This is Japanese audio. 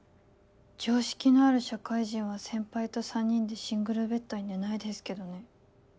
常識のある社会人は先輩と３人でシングルベッドに寝ないですけどね。